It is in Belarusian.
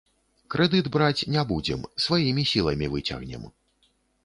Крэдыт браць не будзем, сваімі сіламі выцягнем.